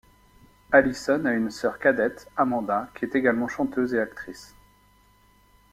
Alyson a une sœur cadette, Amanda, qui est également chanteuse et actrice.